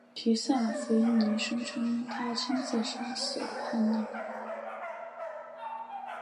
提萨斐尼声称他亲自杀死了叛逆。